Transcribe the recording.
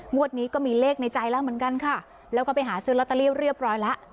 นี้ก็มีเลขในใจแล้วเหมือนกันค่ะแล้วก็ไปหาซื้อลอตเตอรี่เรียบร้อยแล้ว